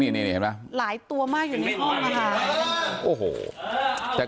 ทุกคนเห็นไหมหลายตัวมากอยู่ในห้องพักษณ์